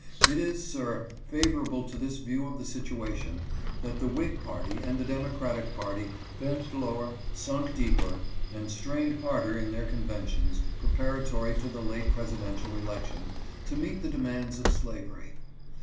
It is, sir, favorable to this view of the situation, that the whig party and the democratic party bent lower, sunk deeper, and strained harder in their conventions, preparatory to the late presidential election, to meet the demands of slavery.